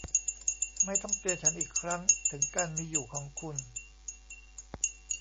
ไม่ต้องเตือนฉันอีกครั้งถึงการมีอยู่ของคุณ